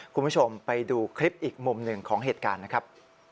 คุณผู้ชมไปดูคลิปอีกมุมหนึ่งของเหตุการณ์นะครับ